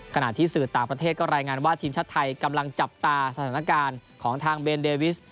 ขณะที่สื่อต่างประเทศก็รายงานว่าทีมชาติไทยกำลังจับตาสถานการณ์ของทางเบนเดวิส